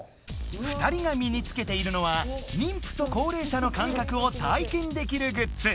２人が身につけているのは妊婦と高齢者のかんかくを体験できるグッズ。